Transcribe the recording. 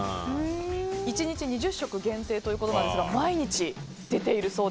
１日２０食限定ということですが毎日出ているそうで。